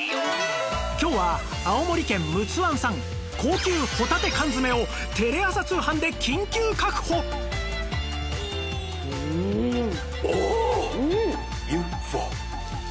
今日は青森県陸奥湾産高級ほたて缶詰をテレ朝通販で緊急確保！が登場！